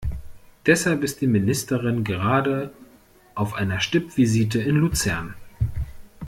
Deshalb ist die Ministerin gerade auf einer Stippvisite in Luzern.